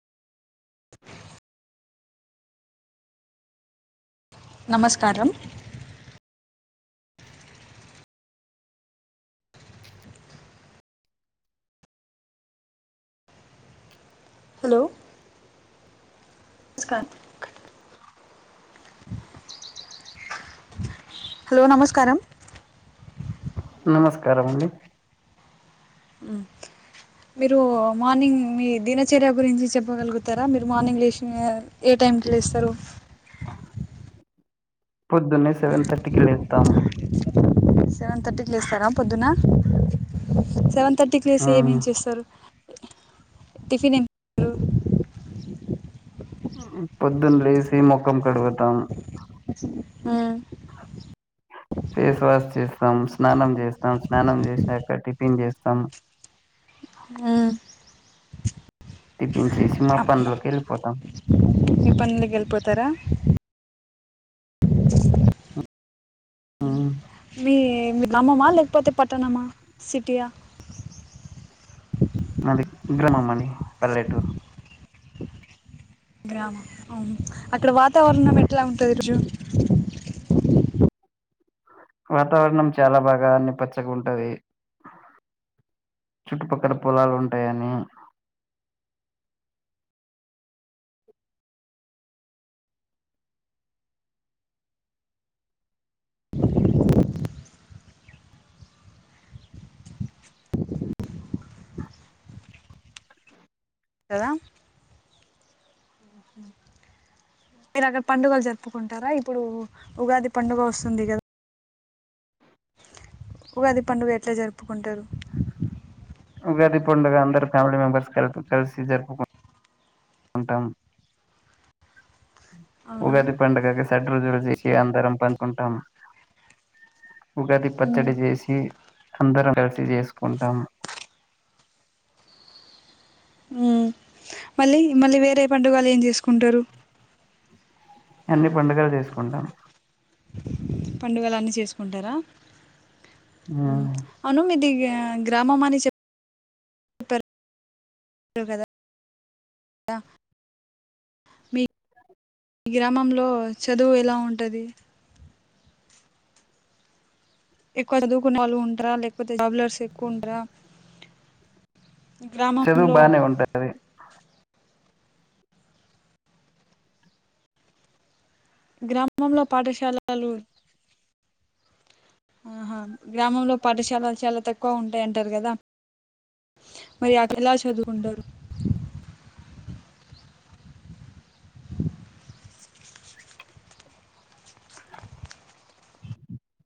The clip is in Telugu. నమస్కారం హలో నమస్కారం హలో నమస్కారం నమస్కారం అండి మీరు మార్నింగ్ మీ దినచర్య గురించి చెప్పగలుగుతారా మీరు మార్నింగ్ లేచి ఏ టైం లేస్తారు పొద్దున్నే సెవెన్ థర్టీకి లేతం సెవెన్ థర్టీకి లేస్తారా పొద్దున సెవెన్ థర్టీకి లేసి మ్మ్ ఏమేం చేస్తారు టిఫన్ ఎం రు పొద్దున్నలేసీ మొఖం కడుగుతాం ఉహ్ ఫేస్ వాష్ చేస్తాం స్నానం చేస్తాం స్నానం చేసినాక టిఫిన్ చేస్తాం ఆల్ జేషినం పనులోకి వెళ్ళిపోతాం మీ పనిలి వెళ్ళిపోతారా ఉ మీ గమ్మమా లేకపోతే పట్టణమా సిటీయా మాది ఉగ్రమమ్మణి పల్లెటూరు గ్రామం అక్కడ వాతావరణం ఎట్లా ఉంటంది రోజు వాతావరణం చాలా బాగా అన్ని పచ్చగా ఉంటది చుట్టుపక్కల పొలాలు ఉంటాయని కదా మీరు అక్కడ పండుగలు జరుపుకుంటారా ఇప్పుడు ఉగాది పండుగ వస్తుంది కదా ఒకది పండుగ ఎట్లా జరుపుకుంటారు ఉగాది పండుగ అందరు ఫ్యామిలీ మెంబర్స్ కలిసి జరుపుకు ఉంటాం అవునా ఉగాది పండుగకి స ర చేసి అందరం పంచకుంటాం ఉగాది పచ్చడి చేసి అందరం కలిసి చేసుకుంటాము మళ్ళీ మళ్ళీ వేరే పండుగలు ఏం చేసుకుంటారు అన్ని పండుగలు చేసుకుంటాను పండుగలన్నీ చేసుకుంటారా ఉమ్. అవును మీ ది గ్రామం అని చెప్ప కద మీ గ్రామంలో చదువు ఎలా ఉంటుంది ఎక్కువ చదువుకునే వాళ్ళు ఉంటారా లేకపోతే జబ్లర్స్ ఎక్కువ ఉంటరా చదువు బానే ఉంటది గ్రామంలో పాఠశాలలు ఆహా గ్రామంలో పాఠశాలలు చాలా తక్కువ ఉంటాయంటారు కదా మరి అక్క ఎలా చదువుకుండరు